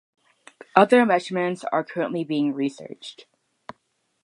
Other measurements are currently being researched.